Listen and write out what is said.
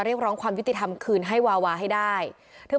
พี่น้องวาหรือว่าน้องวาหรือ